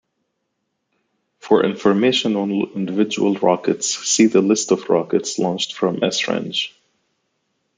For information on individual rockets, see the List of rockets launched from Esrange.